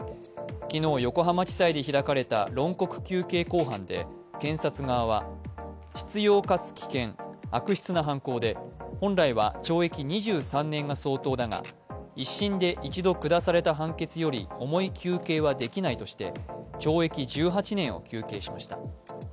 昨日、横浜地裁で開かれた論告求刑公判で検察側は、執ようかつ危険、悪質な犯行で本来は懲役２３年が相当だが１審で一度下された判決より重い求刑はできないとして懲役１８年を求刑しました。